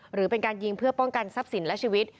หรือเป็นการยิงเพื่อป้องกันทรัพย์สินและชีวิต